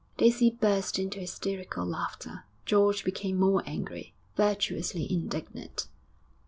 Daisy burst into hysterical laughter. George became more angry virtuously indignant.